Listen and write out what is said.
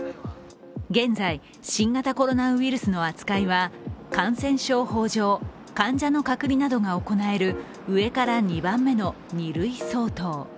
現在、新型コロナウイルスの扱いは感染症法上、患者の隔離などが行える上から２番目の２類相当。